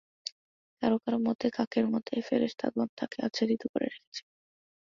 কারো কারো মতে, কাকের মত ফেরেশতাগণ তাকে আচ্ছাদিত করে রেখেছে।